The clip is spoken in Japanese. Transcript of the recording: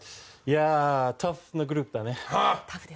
タフなグループだね。